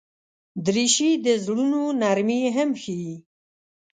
دریشي د زړونو نرمي هم ښيي.